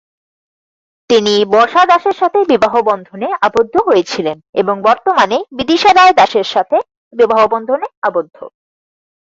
তিনি বর্ষা দাসের সাথে বিবাহবন্ধনে আবদ্ধ হয়েছিলেন এবং বর্তমানে বিদিশা রায় দাসের সাথে বিবাহবন্ধনে আবদ্ধ।